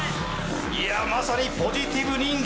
いやまさにポジティブ人間